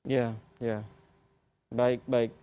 ya ya baik baik